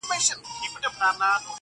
دوه او درې ځله غوټه سو په څپو کي٫